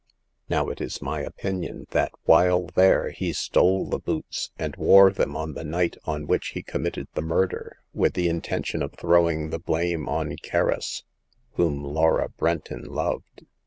Now, it is my opinion that while there he stole the boots, and wore them on the night on which he committed the murder, with the intention of throwing the blame on Kerris, whom Laura Brenton loved.